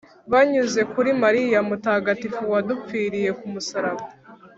banyuze kuri mariya mutagatifu wadupfiriye kumusaraba